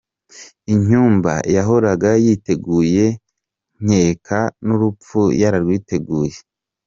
Inyumba yahoraga yiteguye, nkeka n’urupfu yararwiteguye.